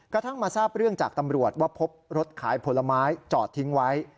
กระทั่งมาทราบเรื่องจากตำรวจว่าพบรถขายผลไม้จอดทิ้งไว้